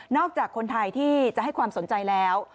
จากคนไทยที่จะให้ความสนใจแล้ว